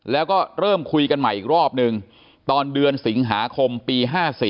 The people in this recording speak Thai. แล้วก็เริ่มคุยกันใหม่อีกรอบนึงตอนเดือนสิงหาคมปี๕๔